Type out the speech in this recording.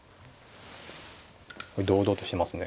堂々としてますね。